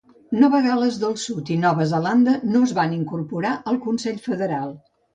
Nova Gal·les del Sud i Nova Zelanda no es van incorporar al Consell Federal.